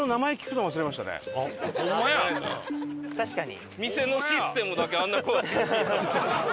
確かに。